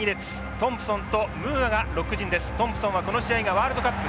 トンプソンはこの試合がワールドカップ１３試合目。